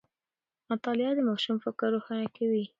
مطالعه د ماشوم فکر روښانه کوي.